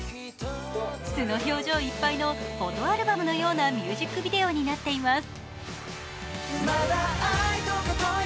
素の表情いっぱいのフォトアルバムのようなミュージックビデオになっています。